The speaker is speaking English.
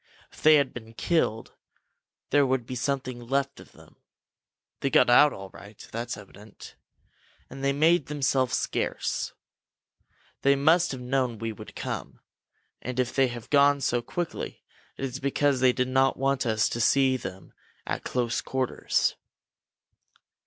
If they had been killed, there would be something left of them. They got out all right that's evident. And they made themselves scarce. They must have known we would come, and if they have gone so quickly, it is because they did not want us to see them at close quarters."